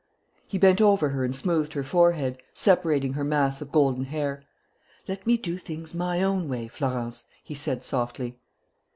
He bent over her and smoothed her forehead, separating her mass of golden hair. "Let me do things my own way, Florence," he said softly.